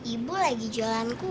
ibu lagi jualan kue